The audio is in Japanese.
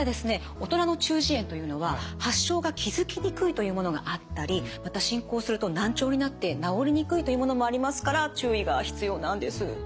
大人の中耳炎というのは発症が気付きにくいというものがあったりまた進行すると難聴になって治りにくいというものもありますから注意が必要なんです。